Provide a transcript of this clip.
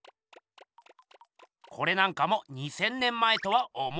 これなんかも２，０００年前とは思えません。